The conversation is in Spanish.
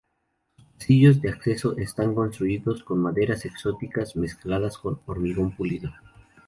Sus pasillos de acceso están construidos con maderas exóticas mezcladas con hormigón pulido.